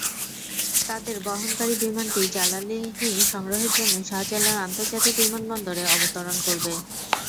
তাঁদের বহনকারী বিমানটি জ্বালানি সংগ্রহের জন্য শাহজালাল আন্তর্জাতিক বিমানবন্দরে অবতরণ করবে।